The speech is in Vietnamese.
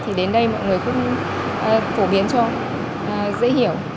thì đến đây mọi người cũng phổ biến cho dễ hiểu